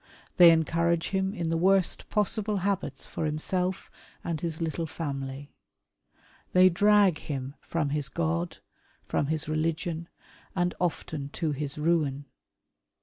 They encourage him in the worst possible habits for himself and his little fiimily. They drag him from his God, from his religion, and often to his ruin.